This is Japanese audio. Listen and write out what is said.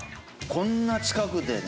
こんな近くでね。